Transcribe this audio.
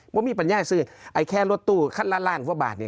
พวกมีปัญญาซื้อไอ้แค่รถตู้คัดล้านล้านหัวบาทเนี่ย